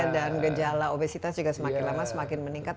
dan gejala obesitas juga semakin lama semakin meningkat